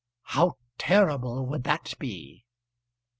How terrible would that be!